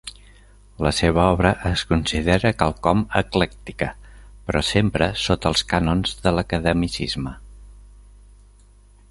La seva obra es considera quelcom eclèctica però sempre sota els cànons de l’academicisme.